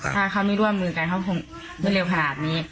ถ้าเขาไม่ร่วมมือกันเขาคงรวดเร็วขนาดนี้